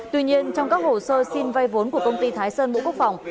tuy nhiên trong các hồ sơ xin vay vốn của công ty thái sơn bộ quốc phòng